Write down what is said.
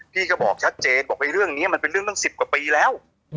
พี่ก็บอกชัดเจนบอกเรื่องนี้มันเป็นเรื่องตั้ง๑๐กว่าปีแล้ว